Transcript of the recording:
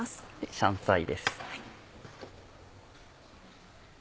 香菜です。